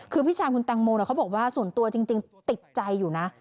คือพี่ชายคุณแตงโมเขาบอกว่าส่วนตัวจริงติดใจอยู่นะ